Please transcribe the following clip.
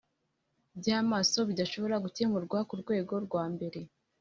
bya amaso bidashobora gukemurwa ku rwego rwambere